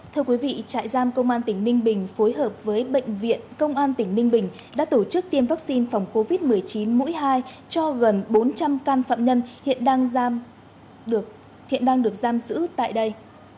thưa quý vị trại giam công an tỉnh ninh bình phối hợp với bệnh viện công an tỉnh ninh bình đã tổ chức tiêm vaccine phòng covid một mươi chín mũi hai cho gần bốn trăm linh can phạm nhân hiện đang hiện đang được giam giữ tại đây